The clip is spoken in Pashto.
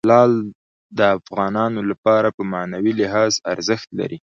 لعل د افغانانو لپاره په معنوي لحاظ ارزښت لري.